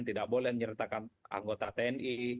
tidak boleh menyertakan anggota tni